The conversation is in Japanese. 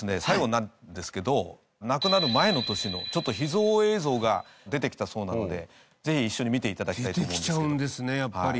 最後になるんですけど亡くなる前の年のちょっと秘蔵映像が出てきたそうなのでぜひ一緒に見ていただきたいと思うんですけど。